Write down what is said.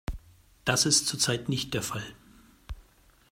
Das ist zur Zeit nicht der Fall.